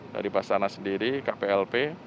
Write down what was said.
dari bas tanah sendiri kplp